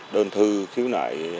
đơn thư khiếu nại